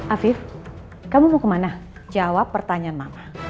afif kamu mau kemana jawab pertanyaan mama